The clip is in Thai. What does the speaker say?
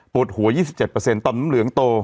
หัว๒๗ต่อมน้ำเหลืองโต